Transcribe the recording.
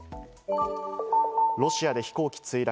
ロシアで飛行機墜落。